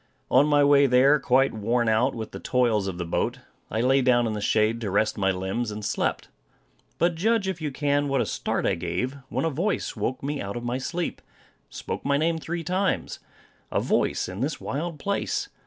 On my way there, quite worn out with the toils of the boat, I lay down in the shade to rest my limbs, and slept. But judge, if you can, what a start I gave, when a voice woke me out of my sleep, and spoke my name three times! A voice in this wild place!